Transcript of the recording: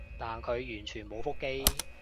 但佢完全冇覆機